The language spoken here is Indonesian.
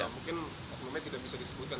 mungkin maksudnya tidak bisa disebutkan